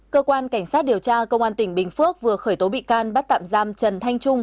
cơ quan cảnh sát điều tra công an tỉnh bình phước vừa khởi tố bị can bắt tạm giam trần thanh trung